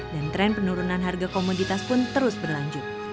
dan tren penurunan harga komoditas pun terus berlanjut